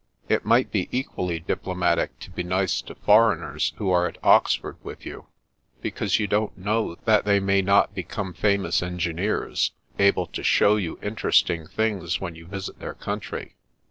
It might be equally diplo matic to be nice to foreigners who are at Oxford with you, because you don't know that they may not become famous engineers, able to show you in teresting things when you visit their country.